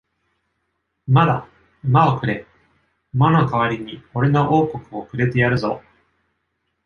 馬だ、馬をくれ！馬の代わりに俺の王国をくれてやるぞ！